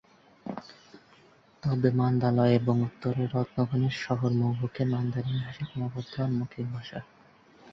তবে মান্দালয় এবং উত্তরের রত্ন খনির শহর মোগোক-এ ম্যান্ডারিন ভাষা ক্রমবর্ধমান মৌখিক ভাষা।